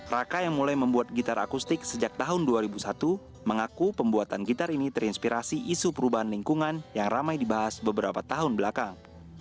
raka yang mulai membuat gitar akustik sejak tahun dua ribu satu mengaku pembuatan gitar ini terinspirasi isu perubahan lingkungan yang ramai dibahas beberapa tahun belakang